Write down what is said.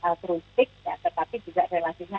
altruistik tetapi juga relasinya